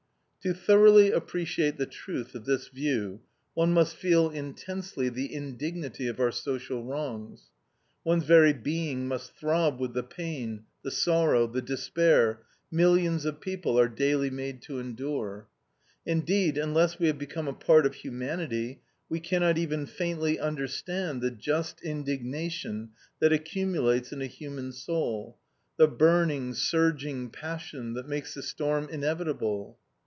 To thoroughly appreciate the truth of this view, one must feel intensely the indignity of our social wrongs; one's very being must throb with the pain, the sorrow, the despair millions of people are daily made to endure. Indeed, unless we have become a part of humanity, we cannot even faintly understand the just indignation that accumulates in a human soul, the burning, surging passion that makes the storm inevitable.